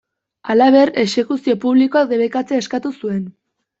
Halaber, exekuzio publikoak debekatzeko eskatu zuen.